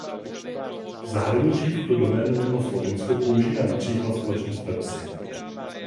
V zahraničí tuto doménu mimo Slovinsko používá například společnost Pepsi.